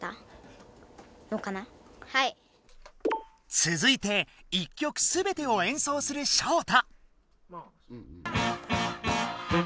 つづいて１曲すべてを演奏するショウタ。